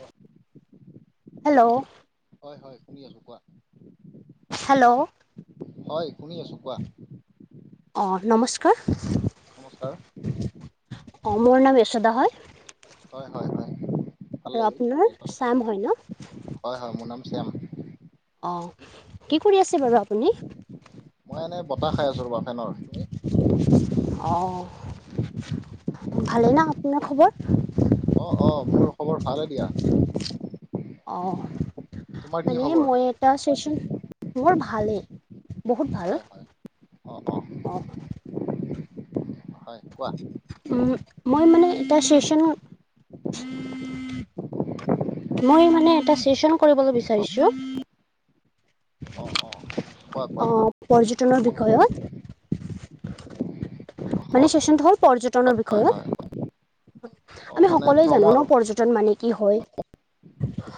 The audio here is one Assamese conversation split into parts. অ হেল্ল' হয় হয় শুনি আছোঁ কোৱা হেল্ল' হয় শুনি আছো কোৱা অ নমস্কাৰ নমস্কাৰ অ মোৰ নাম য়েশদা হয়। হয় হয় হয়। ভাল আৰু লাগিল আপোনাৰ তাৰপিছত শ্যাম হয় ন'? হয়, হয় মোৰ নাম শ্যাম। অঁ, কি কৰি আছে বাৰু আপুনি? মই এনেই বতাহ খাই আছোঁ ৰ'বা ফেনৰ। অঁ, ভালেই না আপোনাৰ খবৰ? অঁ, অঁ মোৰ খবৰ ভালে দিয়া। অঁ, তোমাৰ কি মানে খবৰ মই এটা চেশ্যন, মোৰ ভালেই। বহুত ভাল হয়, হয়। অঁ অঁ হয়, কোৱা? উম, মই মানে এটা ছেশ্যন মই মানে এটা চেশ্যন কৰিবলৈ বিচাৰিছোঁ। অঁ, অঁ। অঁ। পৰ্যটনৰ বিষয়ত, মানে চেশ্বনটো হ'ল পৰ্যটনৰ টনৰ হয় হয় বিষয়ত। অ আমি মানে সকলোৱে ভ্ৰমণ জানো আৰু ন', পৰ্যটন মানে কি হয়।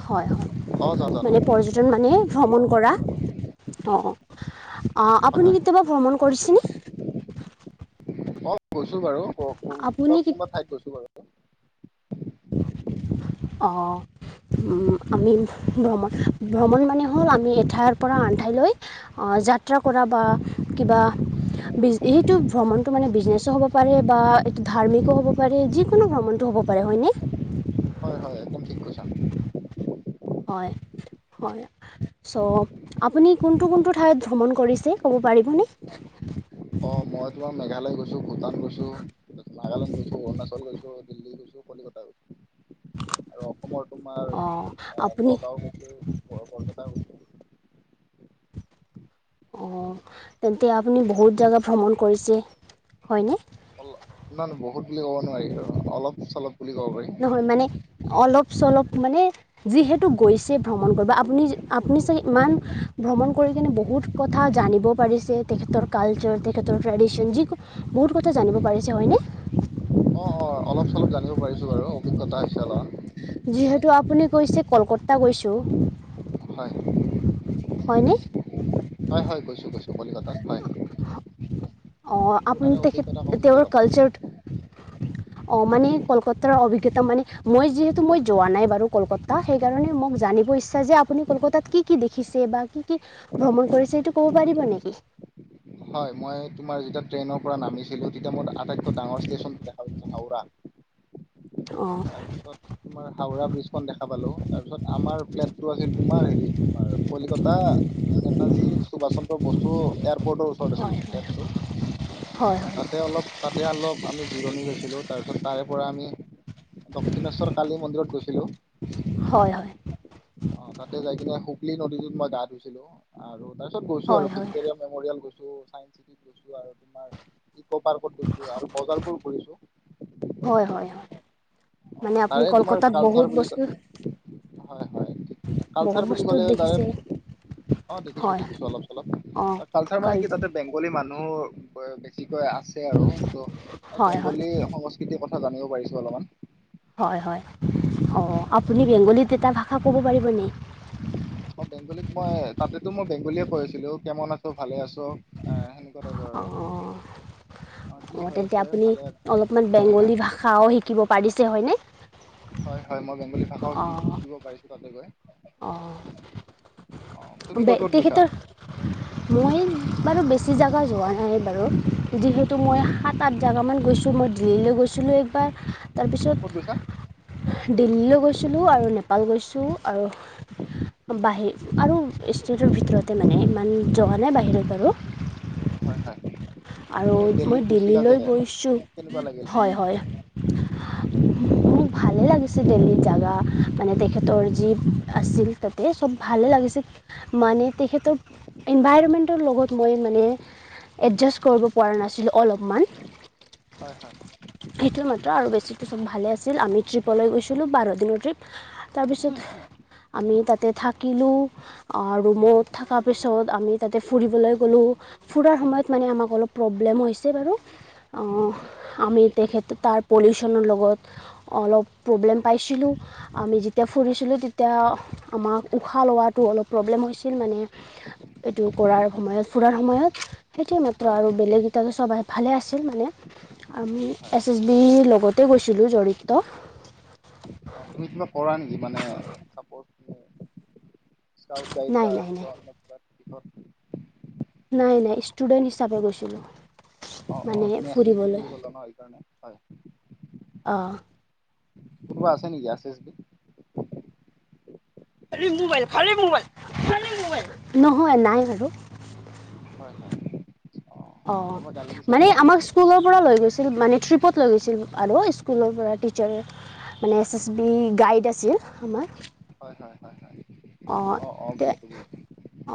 হয়, হয়। অ জানো জানো মানে পৰ্যত টন মানে ভ্ৰমণ কৰা। অঁ, অঁ। হয় অঁ--আপুনি হয় কেতিয়াবা ভ্ৰমণ কৰিছে নে? অঁ, গৈছো বাৰু। অঁ আপুনি কোনোবা কি কোনোবা ঠাইত গৈছো বাৰু। অঁ। ওঁ আমি, ভ্ৰম---ভ্ৰমণ মানে হ'ল আমি এঠাইৰ পৰা আনঠাইলৈ অঁ যাত্ৰা কৰা বা কিবা বিজ সেইটো ভ্ৰমণ। এইটো মানে বিজনেছো হ'ব পাৰে বা এইটো ধাৰ্মিকো হ'ব পাৰে। যিকোনো ভ্ৰমণটো হ'ব পাৰে। হয়নে? হয় হয়, একদম ঠিক কৈছা। হয়। হয়, চ' আপুনি কোনটো কোনটো ঠাইত ভ্ৰমণ কৰিছে? ক'ব পাৰিবনে? অঁ, মই তোমাৰ মেঘালয় গৈছোঁ, ভূটান গৈছোঁ, নাগালেণ্ড গৈছোঁ, অৰুণাচল গৈছোঁ। দিল্লী গৈছোঁ, কলিকতা গৈছোঁ আৰু অসমৰ তোমাৰ অঁ আপুনি নগাঁও গৈছোঁ। সেই বৰ--বৰপেটা গৈছোঁ। অঁ, তেন্তে আপুনি বহুত জেগা ভ্ৰমণ কৰিছে। হয় নে? অল- না নহয়। বহুত বুলি ক'ব নোৱাৰি আৰু অলপ- চলপ বুলি ক'ব পাৰি। হয়, মানে অলপ-চলপ মানে যিহেতু গৈছে ভ্ৰমণ কৰিব। আপুনি আপুনি ছাগে ইমান ভ্ৰমণ কৰি কেনে বহুত কথা জানিব পাৰিছে। তেখেতৰ কালচাৰ, তেখেতৰ ট্ৰেদিছন, যিকোনো বহুত কথা জানিব পাৰিছে। হয়নে? অঁ অঁ অলপ-চলপ জানিব পাৰিছো বাৰু। অভিজ্ঞতা হৈছে অলপ। যিহেতু আপুনি কৈছে, কলকতা গৈছোঁ। হয়। হয় নে? হয়, হয় গৈছোঁ গৈছোঁ। কলিকতাত হয়। অঁ, আপুনি তাৰে তেখেত, অভিজ্ঞতা ক'ম নেকি তেওঁৰ অলপ? কালচাৰটো অঁ মানে, কলকাতাৰ অভিজ্ঞতা মানে, মই যিহেতু মই যোৱা নাই বাৰু কলকা তা, সেইকাৰণে মোক জানিব ইচ্ছা যে আপুনি কলকতাত কি কি দেখিছে? বা কি কি ভ্ৰমণ কৰিছে। এইটো ক'ব পাৰিবা নেকি? হয়, মই তোমাৰ যেতিয়া ট্ৰেইনৰ পৰা নামিছিলো তেতিয়া মই আটাইতকৈ ডাঙৰ ষ্টেচনটো দেখা পাইছিলো হাওৰা। [unintelligible] তাৰ পিছত তোমাৰ হাওৰা ব্ৰিজখন দেখা পালো তাৰপিছত আমাৰ ফ্লেটটো আছিল তোমাৰ হেৰিত তোমাৰ কলিকতা নেতাজী সুভাষ চন্দ্ৰ বসু এয়াৰপৰ্টৰ হয় হয় হয় হয় [unintelligible] তাতে অলপ তাতে অলপ আমি জিৰণি লৈছিলো তাৰপিছত তাৰে পৰা আমি দক্ষিণেশ্বৰ কালি মন্দিৰত গৈছিলো হয় হয়। অ' তাতে যাই কিনে হুগলী নদীটোত মই গা ধুইছিলো আৰু তাৰপিছত গৈছো আৰু হয় হয় ভিকটৰি ডাঙৰীয়াল গৈছো চায়েঞ্চ চিটিত গৈছো আৰু তুমাৰ ইকো পাৰ্কত গৈছো আৰু বজাৰবোৰ ঘূৰিছো হয় হয় হয় অ' মানে আপুনি তাৰে তোমাৰ কলকাতাত বহুত কালচাৰ বুলি বস্তু হয় হয় বহুত কালচাৰ বুলি বস্তু কলে দেখিছে লাইপ অ দেখিছো হয় দেখিছো অলপ চলপ অঁ আৰ কালচাৰ কাল মানে কি তাতে বেংগলী মানুহ ব বেছিকৈ আছে আৰু ত' হয় হয় বেংগলী সংস কৃতি কথা জানিব পাৰিছো অলপমান হয় হয় অ' আপুনি বেংগলীত এটা ভাষা ক'ব পাৰিব নি অ' বেংগলীত মই তাতেতো মই বেংগলীয়ে কৈছিলো কেমন আছ ভালে আছ আহ সেনেকুৱা টাইপৰ আৰু কি অ' হৈ তেন্তে আছে আপুনি ভালে অলপমান হয় হয় বেংগলী ভাষাও শিকিব পাৰিছে হয়নে হয় হয় মই বেংগলী ভাষাও শিকিব পাৰিছো তাতে গৈ অ' অ তুমি বে ক'ত ক'ত গৈছা তেখেতৰ মই বাৰু বেছি জেগা যোৱা নাই বাৰু যিহেতু মই হয় হয় সাত আঠ জাগা মান গৈছো মই দিল্লীলৈ গৈছ ছিলোঁ একবাৰ ক'ত গৈছা তাৰপিছত দিল্লীলৈ গৈছিলোঁ আৰু নেপাল গৈছোঁ আৰু বাহিৰ আৰু ষ্টেটৰ ভিতৰতে মানে ইমান জৱা নাই বাহিৰত বাৰু হয় হয়। আৰু তুমি মই দিল্লীত গৈছিলা যে দিল্লীলৈ গৈছোঁ কেনেকুৱা লাগিল হয় হয় মো ভালে লাগিছে দেল্লীৰ জাগা মানে তেখেতৰ যি আছিল তাতে চব ভালে লাগিছে মানে তেখেতৰ এনভাইৰণমেণ্টৰ লগত মই মানে এডজাষ্ট কৰিব পৰা নাছিলোঁ অলপমান হয় হয়। সেইটো মাত্ৰ আৰু বেছিটো চব ভালে আছিল আমি ট্ৰিপলৈ গৈছিলোঁ বাৰ দিনৰ ট্ৰিপ তাৰপিছত আমি তাতে থাকিলোঁ আ হয় ৰুমত থকাৰ পিছত আমি তাতে ফুৰিবলৈ গ'লোঁ ফুৰাৰ সময়ত হয় মানে আমাক অলপ প্ৰব্লেম হৈছে বাৰু অহ আমি তেখেত তাৰ পলিউচনৰ লগত অলপ প্ৰব্লেম পাইছিলোঁ আমি যি তিয়া হয় ফুৰিছিলোঁ তেতিয়া আমাক উশাহ লৱাটো অলপ প্ৰব্লেম হৈছিল মানে এইটো কৰাৰ সময়ত ফুৰাৰ সময়ত সেইটোৱে মাত্ৰ হয় আৰু হয় বেলেগেইটা সবাই ভালে আছিল মানে আমি হয় আমি লগতে গৈছিলো জঢ়িত অ' তুমি কিবা কৰা নেকি মানে চাপৰ্ট তুমি নাই নাই নাই [inaudible] নাই নাই ষ্টুডেণ্ট হিচাপে গৈছিলোঁ। অ' মানে অ' তুমি এছ এছ বি ফুৰিবলৈ বুলি কলা ন সেইকাৰণে, হয়। অঁ। কোনোবা আছে নেকি এছ এছ বিত? নহয় নাই আৰু। হয় হয়। অ', অঁ কোনোবাই গালি দিছে মানে তোমাক? আমাক স্কুলৰ পৰা লৈ গৈছিল মানে ট্ৰিপত লৈ গৈছিল আৰু স্কুলৰ পৰা টিচাৰ মানে এছ এছ বি গাইড আছিল আমাৰ। হয় হয়, হয় হয়। অঁ অ', অ', তে বুজিছোঁ, বুজিছোঁ,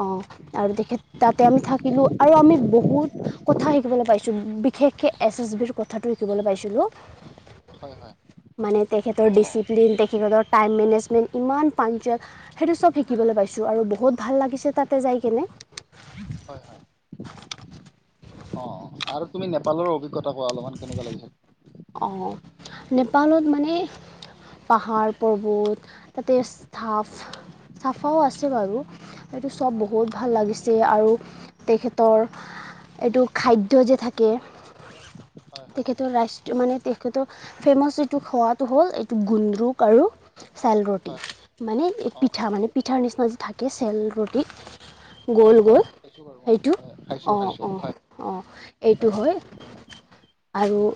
অঁ আৰু তেখেত তাতে আমি থাকিলোঁ আৰু আমি বহুত কথা শিকিবলৈ পাইছো বিশেষকে এছ এছ বিৰ কথাটো শিকিবলৈ পাইছিলো। হয়, হয়, মানে তেখেতৰ অ', ডিচিপ্লিন তেখেতৰ টাইম মেনেজমেণ্ট ইমান পঞ্চোৱেল। সেইটো চব শিকিবলৈ পাইছোঁ আৰু বহুত ভাল লাগিছে তাতে যাই কেনে। হয় হয়, অ' আৰু তুমি নেপালৰ অভি জ্ঞতা কোৱা অলপমান কেনেকুৱা লাগিছে? অঁ, নেপালত মানে পাহাৰ পৰ্বত তাতে চাফ চাফাও আছে বাৰু। এইটো চব হয়, বহুত হয়, ভাল লাগিছে আৰু তেখেতৰ এইটো খাদ্য যে থাকে হয়, হয়, তেখেতৰ ৰা মানে তেখেতৰ ফেমাচ এইটো খোৱাটো হ'ল এইটো গুন্দ্ৰুক আৰু, চেল ৰুটি হয়, হয়, মানে অ', পিঠা অ', মানে পিঠাৰ নিচিনা যে থাকে চেল ৰুটি। হয়, গো'ল হয়, গো'ল খাইছোঁ বাৰু মই, সেইটো হয়, খাইছোঁ, খাইছোঁ, অঁ অঁ হয়। অঁ এইটো হয়। আৰু উম,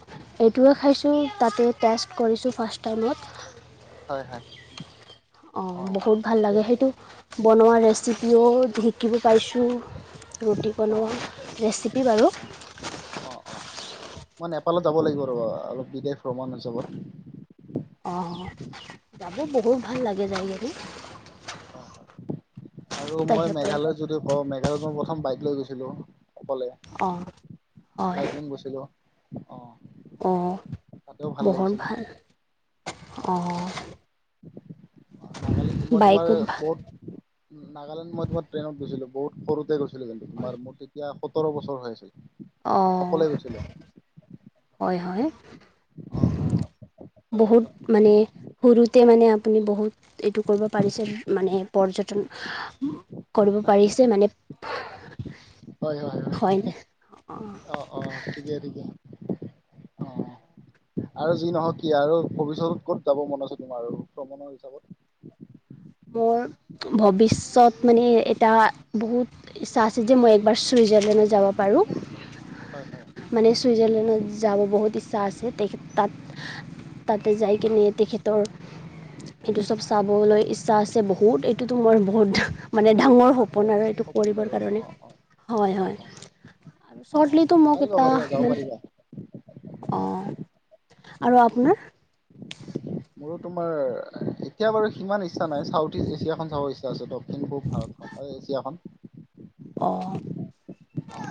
এইটোৱে খাইছোঁ তাতে টেষ্ট কৰিছোঁ ফাৰ্ষ্ট টাইমত। হয় হয়। অঁ, অ', বহুত ভাল ঠিকে লাগে আছে সেইটো বাৰু, বনোৱা ৰেচিপিও শিকিব পাইছোঁ। ৰুটি বনোৱা অ', ৰেচিপি বাৰু। অ', অ' অ', মই নেপালত যাব লাগিব ৰবা অলপ বিদেশ ভ্ৰমণ হিচাপত। অ' অ', যাব বহুত ভাল লাগে যাইকিনি। হয় হয়, আৰু মই তেখেতৰ মেঘালয়ত যদি কওঁ মেঘালয়ত মই প্ৰথম বাইক লৈ গৈছিলোঁ। অকলে অঁ হয় লাইফলং গৈছিলো। অঁ, অঁ তাতেও ভাল বহুত লাগিছিলে, ভাল হয় হয়। অঁ অঁ নাগালেণ্ড মই তোমাৰ বাইকত ভাল কত নাগালেণ্ড মই তোমাৰ ট্ৰেইনত গৈছিলো বহুত সৰুতে গৈছি লো কিন্তু হয় তোমাৰ মোৰ তেতিয়া সোতৰ বছৰ হৈ আছিল, অঁ অকলে গৈছিলো। হয় হয়। অহ অহ বহুত তাৰপিছত মানে সেনেকুৱা। সৰুতে মানে আপুনি বহুত এইটো কৰিব পাৰিছে মানে পৰ্যটন কৰিব পাৰিছে মানে হয় হয় হয় হয়নে অঁ। অঁ ঠিকে ঠিকে অঁ। অঁ আৰু যি নহওক কি আৰু ভৱিষ্যতত ক'ত যাব মন আছে তোমাৰ ভ্ৰমণৰ হিচাপত? মোৰ ভৱিষ্যত মানে এটা বহুত ইচ্ছা আছে যে মই একবাৰ ছুইজাৰলেণ্ডত যাব পাৰোঁ। হয় হয় মানে ছুইজাৰলেণ্ডত যাব বহুত ইচ্ছা আছে তেখেত তাত তাতে যাই কিনে তেখেত তো এইটো চব চাবলৈ ইচ্ছা আছে বহুত এইটোতো মই বহুত মানে ডাঙৰ সপোন আৰু এইটো সপোন কৰিবৰ আৰু কাৰণে অ অ হয়, অ হয়। অ আৰু অ চ্বৰ্টলিতো মোক পাৰিবা এটা পাৰিবা যাব পাৰিবা অ', আৰু অ আপোনাৰ মোৰো তোমাৰ এতিয়া বাৰু সিমান ইচ্ছা নাই চাউথ ইষ্ট এছিয়াখন চাব ইচ্ছা আছে দক্ষিণ পূব ভাৰতখন এছিয়াখন অ', অ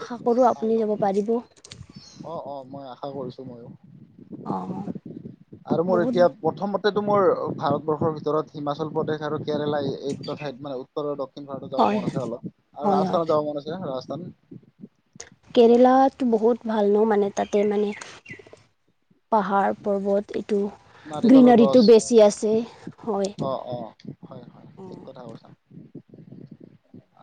আশা কৰোঁ চাই আপুনি লওঁ যাব পাৰিব। অ', অ', মই আশা কৰিছো ময়ো। অ'। আৰু মোৰ এতিয়া প্ৰথমতে টো মোৰ ভাৰতবৰ্ষৰ ভিতৰত হিমাচল প্ৰদেশ আৰু কেৰেলা এই দুটা ঠাইত মানে উত্তৰ দক্ষিণ ভাৰতত যাব হয় মন আছে অলপ আৰু হয় হয় ৰাজস্থানত যাব মন আছে ৰাজস্থান কেৰেলাটো বহুত ভাল ন মানে তাতে মানে পাহাৰ পৰ্বত এইটো নাৰিকলৰ গছ গ্ৰীনাৰীটো বেছি আছে হয়। অ', অ'। হয়, হয় ঠিক কথা কৈছা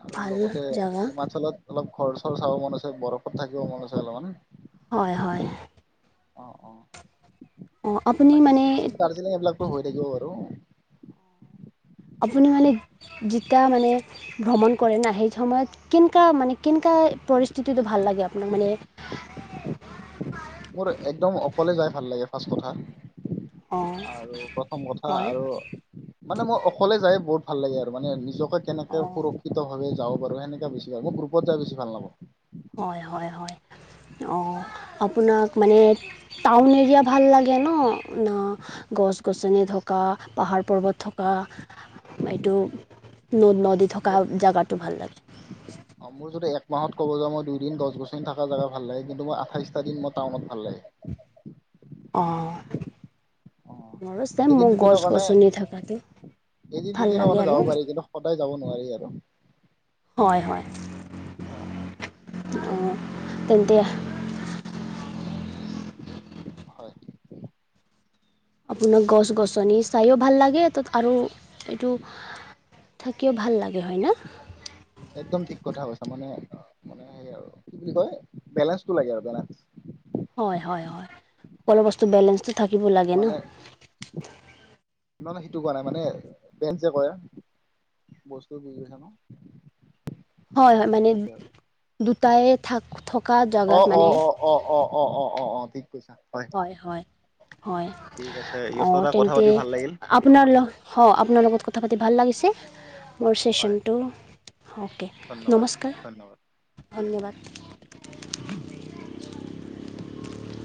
আৰু ভাল লগতে জাগা হিমাচলত অলপ ঘৰ চৰ চাব মন আছে বৰফত থাকিব মন আছে অলপমান। হয়, হয়। অ', অ'। অঁ আপুনি বাকী মানে ছিক্কিম দাৰ্জিলিং এইবিলাকতো হৈ থাকিব বাৰু। আপুনি মানে যেতিয়া মানে ভ্ৰমণ কৰে ন, সেই সময়ত কেনেকা মানে কেনেকা পৰিস্থিতিটো ভাল লাগে আপোনাক মানে। মোৰ একদম অকলে যাই ভাল লাগে ফাৰ্ষ্ট কথা অঁ আৰু প্ৰথম কথা হয় আৰু মানে মই অকলে যাই বহুত ভাল লাগে আৰু মানে নিজক কেনেকে অঁ সুৰক্ষিতভাবে যাব পাৰো সেনেকা বেছি ভাল মই গ্ৰুপত যাই বেছি ভাল নাপাওঁ। হয়, হয়, হয় অ', আপোনাক। মানে টাউন এৰিয়া ভাল লাগে ন, ন গছ গছনি গছনি থকা পাহাৰ পৰ্বত থকা এইটো ন নদী থকা মোৰ জাগাটো ভাল লাগে। অ', মোৰ যদি এক মাহত ক'ব যাবা মই দুই দিন গছ-গছনি থকা জেগা ভাল লাগে, কিন্তু মই আঠাইশটা দিন মোৰ টাউনত ভাল লাগে। অহ। অ মোৰ চেম এদিন মোৰ দুদিনৰ কাৰণে গছ-গছনি থকাটো এদিন ভাল দুদিনৰ লাগে কাৰণে যাব আৰু। পাৰি কিন্তু সদায় যাব নোৱাৰি আৰু। হয়, হয়। অ', অ'। অ', তেন্তে হয়। আপোনাৰ গছ- গছনি চাইও ভাল লাগে তাত আৰু এইটো থাকিও ভাল লাগে হয় না। একদম ঠিক কথা কৈছা মানে মানে সেই আৰু কি বুলি কয় বেলেঞ্চটো লাগে আৰু বেলেঞ্চটো। হয়, হয়, হয় সকলো বস্তু বেলেঞ্চ টো। মানে নহ নহয় সেইটো কোৱা নাই মানে বেঞ্চে কৰে। বস্তু বিজিছে নো [unintelligible] হয়, হয় মানে আৰু দুটাই থাক থকা অ জেগাত অ মানে। অ', অ', অ', অ', অ', অ', ঠিক কৈছা হয়। হয় হয়, হয়। ঠিক আছে অঁ [unintelligible] কথা তেন্তে পাতি ভাল লাগিল। আপোনাৰ লগ হ আপোনাৰ লগত কথা পাতি ভাল লাগিছে। মোৰ হয় চেচনটো অ'কে। ধন্যবাদ নমস্কাৰ ধন্যবাদ ঠিক আছে ধন্যবাদ।